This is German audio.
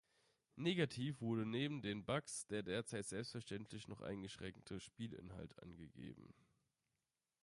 Negativ wurden neben den Bugs der derzeit selbstverständlich noch eingeschränkte Spielinhalt angegeben.